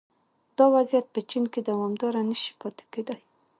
دا وضعیت په چین کې دوامداره نه شي پاتې کېدای